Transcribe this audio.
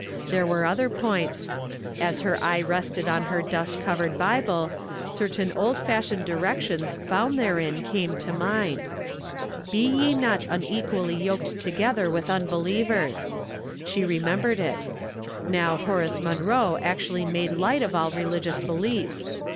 There were other points. As her eye rested on her dust covered Bible, certain old fashioned directions found therein came to mind. *' Be ye not unequally yoked together with unbelievers." She remembered it. Now Horace Munroe actually made light of all religious beliefs.